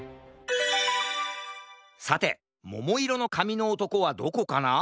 さてももいろのかみのおとこはどこかな？